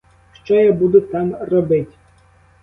Що я буду там робить?